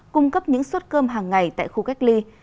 cung cấp những suất cơm hàng ngày tại khu cách ly